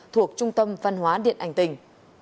thuộc trung tâm văn hóa điện ảnh tình